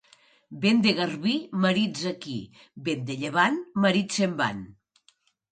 Vent de garbí, marits aquí; vent de llevant, marits se'n van.